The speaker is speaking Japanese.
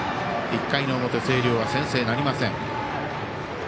１回の表、星稜は先制なりません。